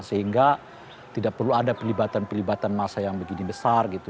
sehingga tidak perlu ada pelibatan pelibatan masa yang begini besar gitu